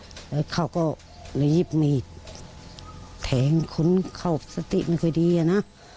แล้วเขาก็หลีบมีดแทงคุณเข้าสติไม่ค่อยดีนะ